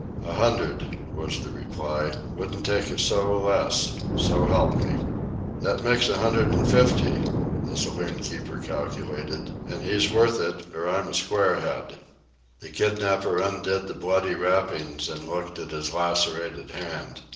"A hundred," was the reply. "Wouldn't take a sou less, so help me." "That makes a hundred and fifty," the saloon keeper calculated; "and he's worth it, or I'm a squarehead." The kidnapper undid the bloody wrappings and looked at his lacerated hand.